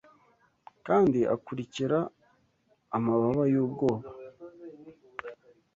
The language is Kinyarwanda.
kandi akurikira amababa yubwoba